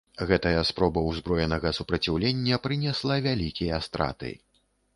Гэтая спроба ўзброенага супраціўлення прынесла вялікія страты.